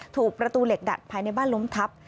ถูกประตูเหล็กดัดภายในบ้านล้มทับ